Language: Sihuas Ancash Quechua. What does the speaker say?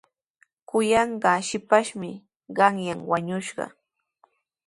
Kuyanqaa shipashmi qanyan wañushqa.